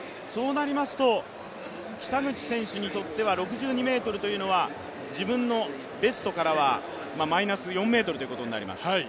北口選手にとっては６２ｍというのは自分のベストからはマイナス４ｍということになります。